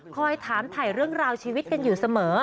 ถามถ่ายเรื่องราวชีวิตกันอยู่เสมอ